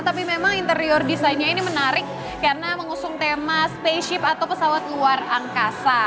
tapi memang interior desainnya ini menarik karena mengusung tema spaceship atau pesawat luar angkasa